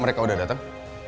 mereka udah dateng